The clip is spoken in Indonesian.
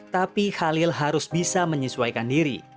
tapi halil harus bisa menyesuaikan diri